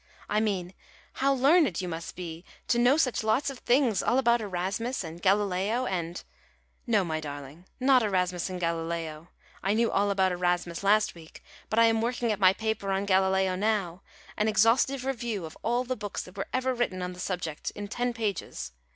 I mean, how learned you must be to know such lots of things, all about Erasmus, and Galileo, and " "No, my darling, not Erasmus and Galileo. I knew all about Erasmus last week; but I am working at my paper on Galileo now, an exhaustive review of all the books that were ever written on the subject, in ten pages.